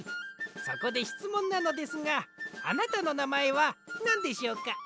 そこでしつもんなのですがあなたのなまえはなんでしょうか？